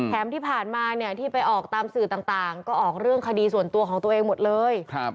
ที่ผ่านมาเนี่ยที่ไปออกตามสื่อต่างก็ออกเรื่องคดีส่วนตัวของตัวเองหมดเลย